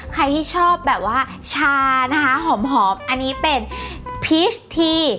ใครที่ชอบแบบว่าชานะคะหอมอันนี้เป็นพีชที